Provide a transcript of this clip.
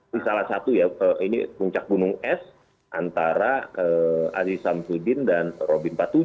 misalnya satu ya ini puncak gunung es antara aziz al mu'adidin dan robin empat puluh tujuh